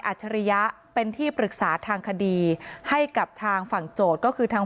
ฉริยะเป็นที่ปรึกษาทางคดีให้กับทางฝั่งโจทย์ก็คือทาง